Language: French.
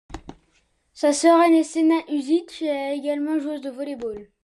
Sa sœur ainée Senna Usić est également joueuse de volley-ball.